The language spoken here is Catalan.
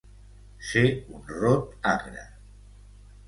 Ser un rot agre.